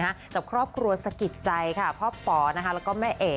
แต่ข้อครับครัวสะกิดใจครับค่ะครอบพอร์แล้วก็แม่เอ๋